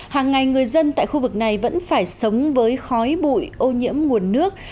hàng ngày người dân tại khu vực này vẫn phải sống với khói bụi ô nhiễm nguồn nước